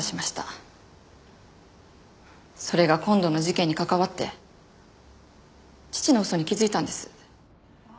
それが今度の事件に関わって父の嘘に気づいたんです。